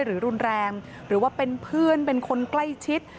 หรือรุนแรงหรือว่าเป็นเพื่อนเป็นคนใกล้ชิด